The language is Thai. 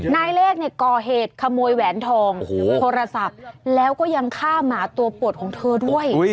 นายเลขเนี่ยก่อเหตุขโมยแหวนทองโทรศัพท์แล้วก็ยังฆ่าหมาตัวปวดของเธอด้วย